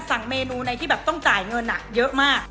สั่งเมนูในที่แบบต้องจ่ายเงินเยอะมาก